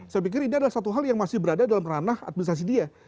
saya pikir ini adalah satu hal yang masih berada dalam ranah administrasi dia